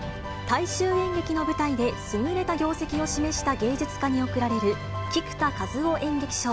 大衆演劇の舞台で、優れた業績を示した芸術家に贈られる菊田一夫演劇賞。